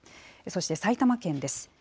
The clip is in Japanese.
そして埼玉県です。